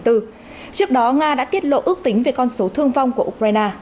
trước đó nga đã tiết lộ ước tính về con số thương vong của ukraine